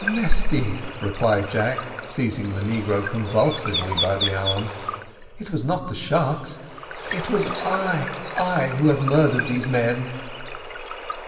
"Mesty," replied Jack, seizing the negro convulsively by the arm, "it was not the sharks it was I I who have murdered these men."